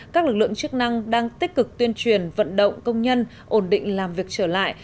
các lực lượng chức năng đang tích cực tuyên truyền vận động công nhân ổn định làm việc trở lại